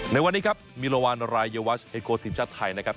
ในวันนี้ครับมิรวรรณรายวัชเฮโคทีมชาติไทยนะครับ